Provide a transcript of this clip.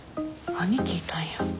兄貴いたんや。